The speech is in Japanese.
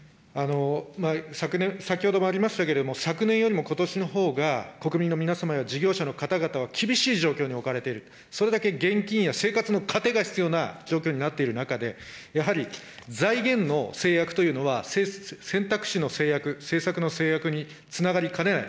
先ほどもありましたけれども、昨年よりもことしのほうが国民の皆様や事業者の方々は厳しい状況に置かれている、それだけ現金や生活の糧が必要な状況になっている中で、やはり財源の制約というのは選択肢の制約、政策の制約につながりかねない。